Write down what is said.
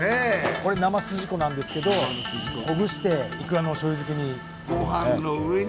これ生すじこなんですけどほぐしていくらの醤油漬けに。